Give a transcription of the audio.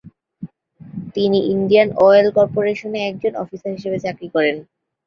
তিনি Indian oil কর্পোরেশনে একজন অফিসার হিসেবে চাকরি করেন।